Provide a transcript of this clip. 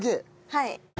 はい。